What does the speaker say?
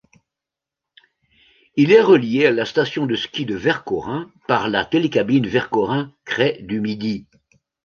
Il est relié à la station de ski de Vercorin par la télécabine Vercorin-Crêt-du-Midi.